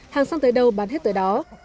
hàng sang tới đâu bán hết tới đó